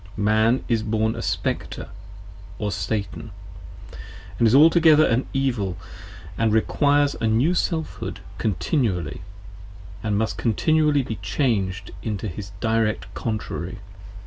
Man is born a Spectre or Satan, & is altogether an Evil, 10 & requires a New Selfhood continually, & must continually be changed into his direct Contrary.